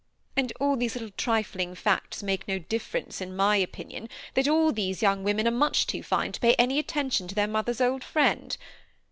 And all these little trifling facts make no dif ference, in my opinion, that all these young wc»nen are much too fine to pay any attention to their mother's old friend.